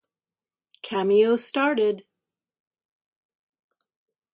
Cameo started.